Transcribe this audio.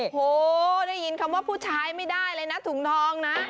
โหได้ยินคำว่าผู้ชายไม่ได้เลยนะถุงทองนะ